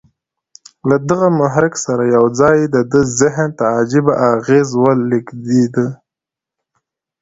له دغه محرک سره یو ځای د ده ذهن ته عجيبه اغېز ولېږدېد